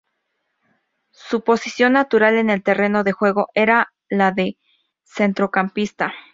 Su posición natural en el terreno de juego era la de centrocampista.